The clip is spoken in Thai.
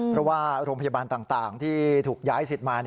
เพราะว่าโรงพยาบาลต่างที่ถูกย้ายสิทธิ์มา